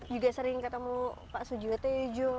juga sering ketemu pak sujuwete